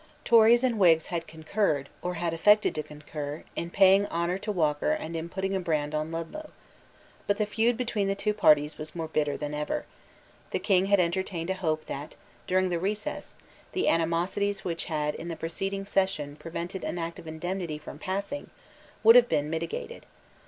Tories and Whigs had concurred, or had affected to concur, in paying honour to Walker and in putting a brand on Ludlow. But the feud between the two parties was more bitter than ever. The King had entertained a hope that, during the recess, the animosities which had in the preceding session prevented an Act of Indemnity from passing would have been mitigated.